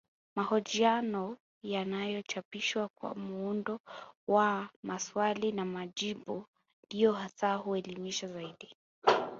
Mahojiano yanayochapishwa kwa muundo wa maswali na majibu ndiyo hasa huelimisha zaidi